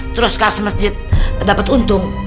terus kas mesjid dapat untung